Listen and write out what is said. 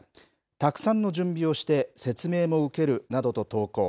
たくさんの準備をして説明も受けるなどと投稿。